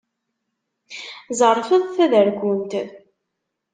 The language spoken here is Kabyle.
Ẓerfed taderkunt!